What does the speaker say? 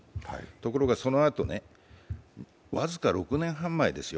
ところがそのあと、僅か６年半前ですよ